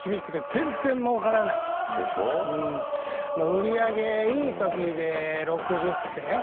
売り上げいい時で６０銭。